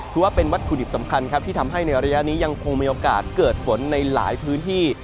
ว่าเป็นวัตถุดิบสำคัญครับที่ทำให้ในระยะนี้ยังคงมีโอกาสเกิดฝนในหลายพื้นที่